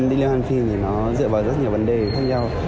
điên hòa hàn phim thì nó dựa vào rất nhiều vấn đề khác nhau